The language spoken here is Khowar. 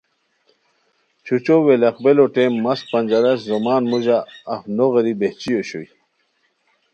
چھو چو ویلاغبلو ٹیم مس پنجرش زومان موژہ اف نو غیری بہچی اوشوئے